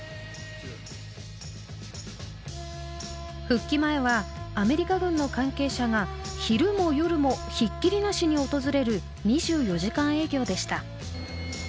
復帰前はアメリカ軍の関係者が昼も夜もひっきりなしに訪れる２４時間営業でした。